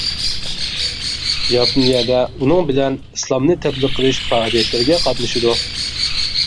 ياپونىيەدە ئۇنىڭ بىلەن ئىسلامنى تەبلىغ قىلىش پائالىيەتلىرىگە قاتنىشىدۇ.